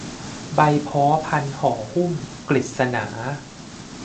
ใบพ้อพันห่อหุ้ม กฤษณา